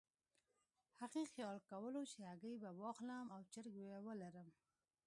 هغې خیال کولو چې هګۍ به واخلم او چرګې به ولرم.